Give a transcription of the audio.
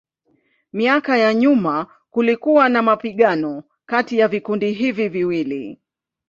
Miaka ya nyuma kulikuwa na mapigano kati ya vikundi hivi viwili.